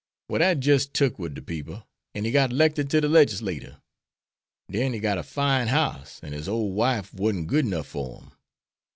Well dat jis' tuck wid de people, an' he got 'lected to de legislatur. Den he got a fine house, an' his ole wife warn't good 'nuff for him.